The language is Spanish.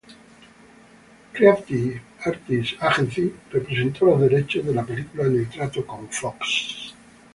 Creative Artists Agency representó los derechos de la película en el trato con Fox.